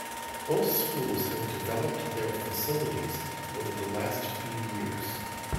Both schools have developed their facilities over the last few years.